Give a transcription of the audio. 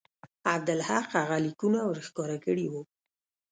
عبدالحق هغه لیکونه ورښکاره کړي وو.